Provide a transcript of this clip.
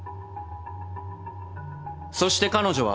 そして彼女は。